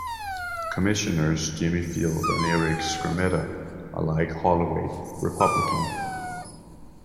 Commissioners Jimmy Field and Eric Skrmetta are, like Holloway, Republican.